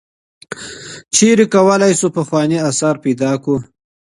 چیرته کولای سو پخوانی آثار پیدا کړو؟